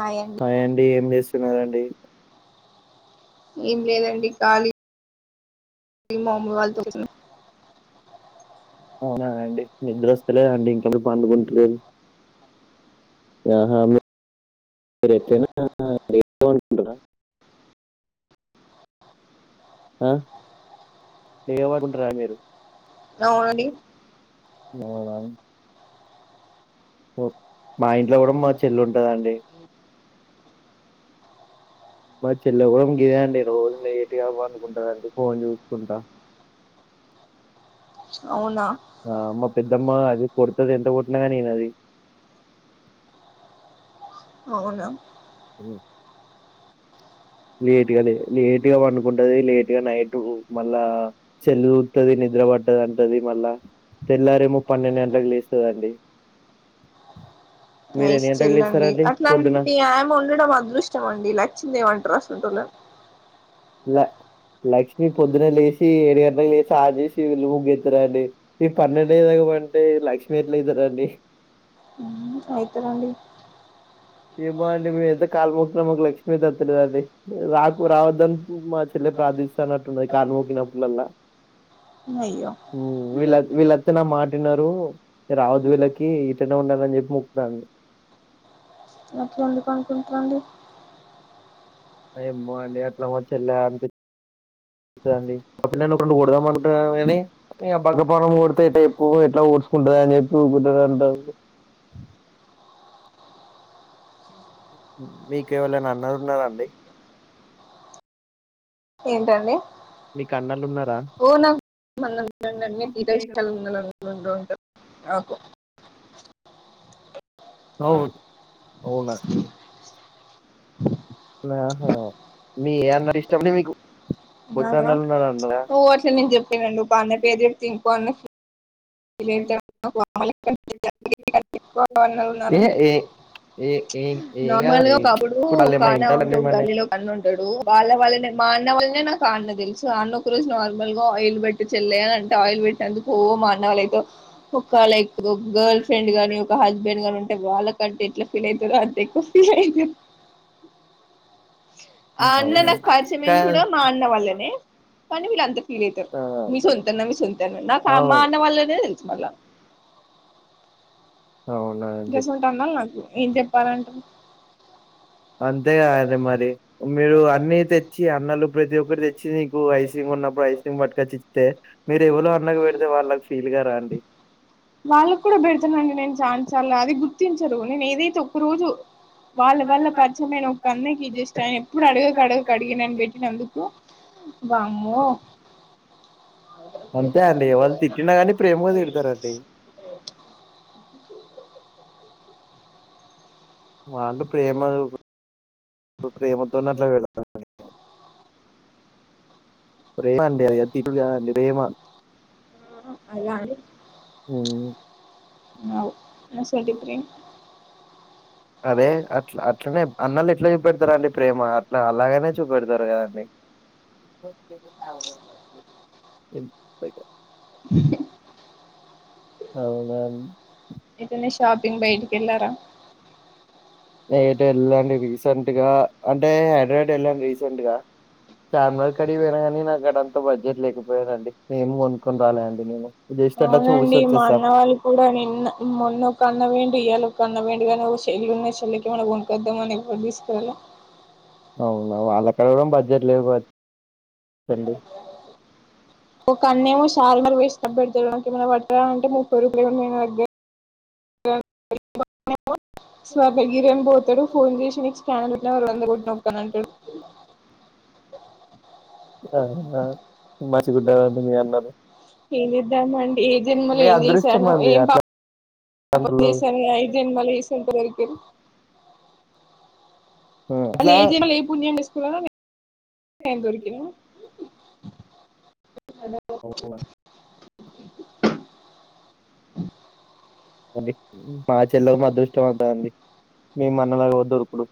Hi అండి హాయండి, ఏం చేస్తున్నరం డి ఏం లేదండి ఖాళీ డి మా అమ్మ వాళ్ళతో ముచ్చట అవునా అండి నిద్ర వస్తలేదా అండి ఇంకామీరు పండుకుంటలేరు, ఆహా మీరు ఎట్లయినా లేటుగానే పండుకుంటరా. ఆ ఏ పడుకుంటర అండి మీరు అవునండి అవునా ఓ మా ఇంట్లో కూడా మా చెల్లు ఉంటదండి. మా చెల్లె కూడా గిదే అండి రోజు లేటాట్ గా పండుకుంటదండి ఎందుకు ఫోన్ చూసుకుంటా అవునా ఆ మ పెద్దమ్మా అది కొడతది ఎంత కొట్టిన గాని ఇనది అవునా ఉమ్ లేట్గా లే లేటుగా పండుకుంటది లేట్ ఇగ నైటు మళ్ళా సెల్లు చూత్తది నిద్ర పట్టది అంటది మళ్ళా, తెల్లారేమో పన్నెండు గంటలకు లేస్తదండి. మీరెన్ని నైస్ గంటలకు చెల్లండి లేస్తారండి పొద్దున? అట్లాంటి ఆమె ఉండడం అదృష్టం అండి లక్ష్మీదేవి అంటరు. అంటున్న ల లక్ష్మి పొద్దున లేసి ఏడు గంటలకు లేసి స్నానం చేసి వీళ్ళు ముగ్గేత్తరు అండి, మీ పన్నెండుఅయ్యేదాకా పంటే లక్ష్మి ఎట్ల అయితరండి. ఐతరండి. ఏమో అండి మేమైతే కాలు మొక్కుతం మాకు లక్ష్మీ ఐతే అత్త లేదండి, రాకు రావద్దను మా చెల్లె ప్రార్థిస్తాన్నట్టున్నది, కాలు మొక్కినప్పు డల్లా. అయ్యో వీళ్ళ వీళ్ళత్తనే మాటినరు రావద్దు, వీళ్ళకి ఇట్లనే ఉండాలని చెప్పి మొక్కుతాంది. అట్ల ఎందుకు అనుకుంటరండి. ఏమో అండి అట్లా మ చెల్లా అండి, ఆ పిల్లని ఒకటి కొడదామనుకుంటున్నాను గని, ఇగ బక్క పానాన్ని కొడితే [unintelligible] ఎట్లా ఓర్సుకుంటదని చెప్పి ఉకుంట మీకేవలైన అన్నలు ఉన్నరండి. ఏంటండి మీకు అన్నలున్నారా? ఓ నాకు ఫుల్ మంది ఉన్నారండి, ఇదే ఇష్టం [unintelligible] నాకు అవు అవునా ఆహా మీ ఏ అన్న ఇష్టండి మీకు, కొద్ది నాకా అన్నలు ఉన్నర ఓ అట్ల నేను చెప్పనండి, ఒక అన్నయ్య పేరు చెప్తే ఇంకో అన్నయ్య ఫీ ఫీల్ అయిత వా ఏ ఏ ఏ ఏం ఏం కాదండి నార్మల్గా ఒకప్పుడు ఇప్పుడు వాళ్ళు ఏమన్నా భాను ఉంటు వింటాలండి ఒక మన గల్లీలో ఒక అన్న ఉంట వాళ్ళ వాళ్ళనే మా అన్న వాళ్ టే నాకు అన్న తెలుసు ఒక రోజు నార్మల్ గా ఆయిల్ పెట్టి చెల్లే అంటే ఆయిల్ పెట్టినందుకు ఓ మా నాలైతే ఒక లైక్ గర్ల్ ఫ్రెండ్ గాని ఒక హస్బెండ్ గాని ఉ వాళ్ళ కంటే ఎట్లా ఫీల్ అయ్యిందో అంత ఎక్కువ ఫీల్ అయింది ఆ అన్న అవును నాకు పరిచయమైంది కాదు కూడా మా అన్న వాళ్ళనే కానీ వీళ్ళ అంత ఫీల్ అవుతారు ఆ మీ సొంత అన్న మీ సొంత అన్న నాకా అవును మా ప్లేలెన్స్ మళ్ళా అవునండి గసువంటన్నా నాకు ఏం చేపరంటా అంతేగా అ మరి మీరు అన్ని తెచ్చి అన్నలు ప్రతి ఒక్కరు తెచ్చి నీకు ఐస్ క్రీమ్ కొన్నప్పుడు ఐస్ క్రీమ్ పట్కొచ్చ తే మీరు ఎవలో అన్నకు పెడితే వాళ్ళకి ఫీల్గరా ఆండీ వాళ్లకీ కూడా పెడుతునండి నేను చానాసార్లు అది గుర్తించారు నేను ఏదైతే ఒక రోజు వాళ్ళ వళ్ళ పరిచయమైనా ఒక అన్నకి జస్ట్ ఎప్పుడు అడగకడగక అడిగినని పెట్టినందుకు వామో అంతే అండి ఏ వాళ్ళు తిట్టినా కానీ ప్రేమగా తిడతారండి వాళ్ళు ప్రేమ ప్రేమతోన్నట్లా వెళడ [unintelligible] ప్రేమా అండి ఆది అతి ప్రేమా ఉహు అలానే ఉమ నౌ అ సాల్ట్ త్రీ అదే అట్లా అట్లనే అన్నల ఎట్లా చూపెడతారు అండి ప్రేమ అట్లా అలాగనే చూపెడతారు కదండి ఉమ్ బయటా ఇంకా అవునా ఎటైనా షాపింగ్ బయటికి వెళ్లారా నైట్ వెళ్లాండి రీసెంట్‌గా అంటే హడ్రాయిడ్ వెళ్ళాను రీసెంట్ గా చార్మినార్ కాటికి పోయినగాని నాకు అడ అంతా బడ్జెట్ లేకపోయాదండి మేము కొనుక్కొని రాలే అండి నేను జస్ట్ అట్లా చూసి అవునండి మా వచ్చేసా. అన్న వాళ్ళు కూడా నిన్న మొన్న ఒక అన్నపోయిండు ఇయాల కన్న పోయిండు గానీ ఒక చెల్లి ఉన్నది చెల్లకి ఏమైనా కొనుక్కుందాం అని ఏం తెచ్చుకోరాలే అవునా వాళ్ళైనా బడ్జెట్ లేవు రండి ఒక అన్నే ఏమో చార్మినార్ పోయి స్నాప్ పెడతాడు నాక్ ఏమయినా పట్కర అంటే ముప్పై రూపాయలు ఏమన్నా ఏ స్వాభగీరం పోతాడు ఫోన్ చేసి నీకు స్కానర్ పెట్టినా వారు వంద కొట్టినొక్కానంటాడు ఆ నా మంచిగుడ్డ మీ అన్నారు ఏం చేద్దాం అండి ఏ జన్మలో ఏం అదృష్టం చేశానో అండి ఏం పాపం అట్లాంటోళ్ళు. చేశానో ఈ జన్మలో [unintelligible] ఇల్ హ్మ్. అ అట్లా ఏ జ ఏ పుణ్యం స్కూ ఓ అద మా చెల్లలకు అదృష్టం అంటాండి మే అన్నలాగ వద్దు దొరుకుడు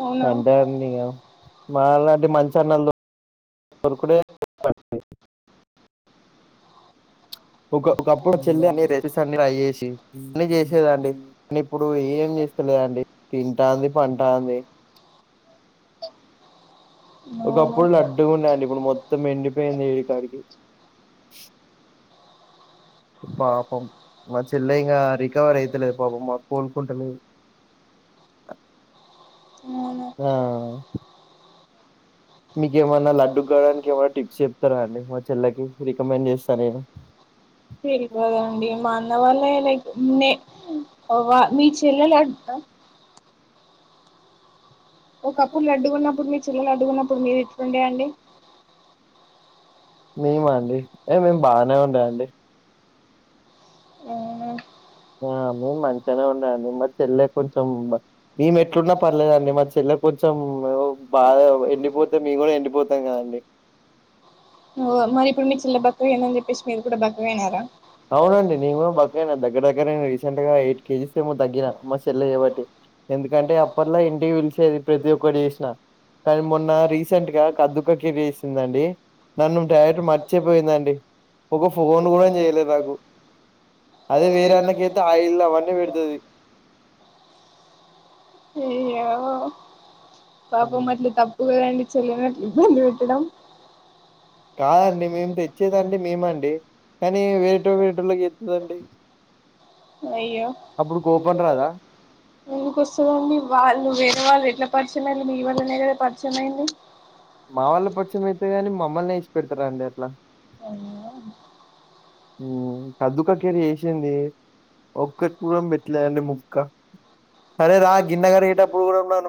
అవునా అంతే అండి మాలాంటి మంచి అన్నలు దొరుకుడే పా ఒకప్పుడు చెల్ ర అన్ని ట్రై చేసి ఇన్ని చేసేదండి ఇప్పుడు ఏం చేస్తలేదండి తింటాంది పంటాంది అవు ఒకప్పుడు లడ్డుకుండ అండి ఇప్పుడు మొత్తం ఎండిపోయి నేడి కారికి పాపం మా చెల్ల ఇంకా రికవర్ అయితలేదు పాపం మాకు కోలుకుంటలే మూను ఆ మీక ఏమన్నా లడ్డు కావడానికి ఏమన్నా టిప్స్ చెప్తారా అండి మా చెల్లకి రికమెండ్ చేస్తా నేను తెల్వదండి మా అన్న వాళ్ళే లైక్ నే వా మీ చెల్లె లడ్ ఒకప్పుడులు అడ్డుకున్నప్పుడు మీ చిల్లలు అడ్డుకున్నప్పుడు మీరు ఇట్ండే అండి మీ మనడి ఏ మేం బాగానే ఉండా అండి ఆ ఆ మేము మంచిగానే ఉన్నాం మరి చెల్లే కొంచెం మేము ఎట్లున్నా పర్లేదండి మ చెల్ కొంచచం బాగా ఎండిపోతే మేము కూడా ఎండిపోతాం కదండి మరి ఇప్పుడు మీంచి చిల్ బర్తం ఏ చెప్పే అవునండి నవ బకనా ద అక్కడ దగ్గర నేను రీసెంట్ గా ఎయిట్ కేజీస్ ఏమో తగ్గిన మా సెల్ల ఏబట్టి ఎందుకంటే అప్పట్లా ఇంటికి పిలిచేది ప్రతి ఒక్క చేసిన కానీ మొన్న రీసెంట్ గా కదుక క చేసిందండి నన్ను డైరెక్ట్ మర్చిపోయిందండి ఒక ఫోన్ కూడా చేయలేదు నాకు అదే వేరే అన్నకైతే ఆయిల్ అవన్నీ పెడుతుంది అయ్యో పాపం మట్ల తప్పు కదండి చెల్ ఇళ్లి విట్టడం కాదండి మేము తెచ్చేదండి మేమ అండి కానీ వేట వేటలోకి ఎతుందండి అయ్యో ఎందుక వస్తుందండి వాళ్ళు వేరే వాళ్ళు ఎట్లా పరిచయండి మీ వల్లనే కదా పరిచయం అయింది మా వాళ్ళ పచ్చం అయితే ని మా మమ్మల్ని వేచి పెడతారా అండి అట్లా అయ్యో కదు కక్కరీ వేసింది ఒక్క పెట్టలేదండి ముక్క సరే రా గిన్నె కరిగేటప్పుడు కూడాన్నాను